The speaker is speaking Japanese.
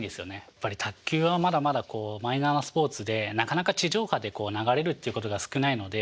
やっぱり卓球はまだまだマイナーなスポーツでなかなか地上波で流れるっていうことが少ないので。